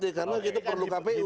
karena kita perlu kpu